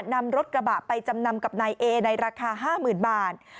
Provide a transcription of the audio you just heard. นำรถกระบะไปจำนำกับนายเอในราคา๕๐๐๐บาท